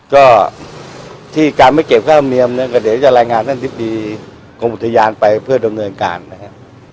ก็ที่การไม่เก็บค่าธรรมเนียมเนี่ยก็เดี๋ยวจะรายงานท่านอธิบดีกรมอุทยานไปเพื่อดำเนินการนะครับ